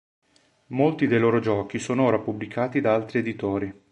Molti dei loro giochi sono ora pubblicati da altri editori.